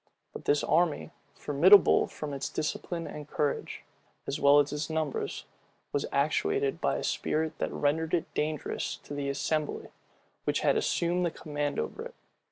But this army, formidable from its discipline and courage, as well as its numbers, was actuated by a spirit that rendered it dangerous to the assembly which had assumed the command over it.